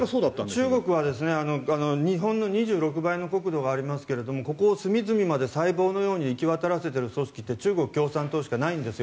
中国は日本の２６倍の国土がありますがここを隅々まで細胞のように行き渡らせてる組織って中国共産党しかないんです。